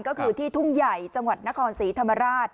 ก็คือที่ทุ่งใหญ่จังหวัดนครศรีธรรมราช